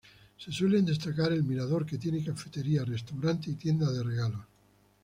Se suele destacar el mirador, que tiene cafetería, restaurante y tienda de regalos.